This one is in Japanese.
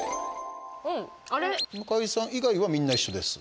向井さん以外はみんな一緒です。